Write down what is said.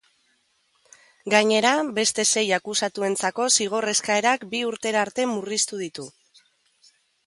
Gainera, beste sei akusatuentzako zigor eskaerak bi urtera arte murriztu ditu.